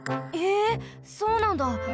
えそうなんだ。